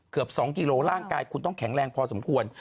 เกือบ๒กิโลร่างกายคุณต้องแข็งแรงพอสมควร